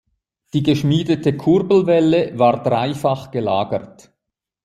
Die geschmiedete Kurbelwelle war dreifach gelagert.